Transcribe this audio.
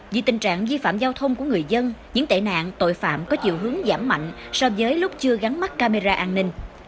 vì tình trạng di phạm giao thông của người dân những tệ nạn tội phạm có chiều hướng giảm mạnh so với lúc chưa gắn mắt camera an ninh